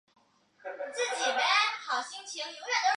直到今天依然在影响中国的文化。